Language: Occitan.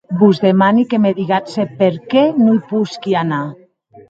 Vos demani que me digatz se per qué non i posqui anar.